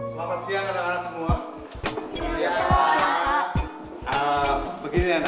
selamat siang anak anak semua